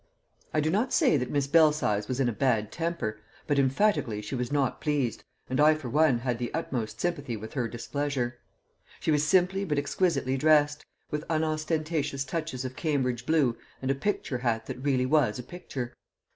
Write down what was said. I do not say that Miss Belsize was in a bad temper, but emphatically she was not pleased, and I for one had the utmost sympathy with her displeasure. She was simply but exquisitely dressed, with unostentatious touches of Cambridge blue and a picture hat that really was a picture.